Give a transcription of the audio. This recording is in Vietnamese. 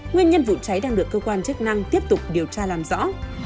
nguyên nhân vụ cháy đang được cơ quan chức năng tiếp tục điều tra làm rõ